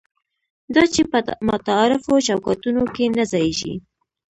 دا چې په متعارفو چوکاټونو کې نه ځایېږي.